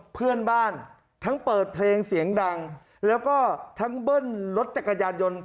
เพื่อนบ้านทั้งเปิดเพลงเสียงดังแล้วก็ทั้งเบิ้ลรถจักรยานยนต์